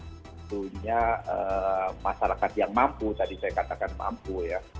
tentunya masyarakat yang mampu tadi saya katakan mampu ya